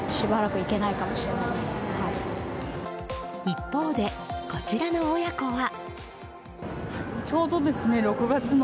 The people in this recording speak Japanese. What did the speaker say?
一方で、こちらの親子は。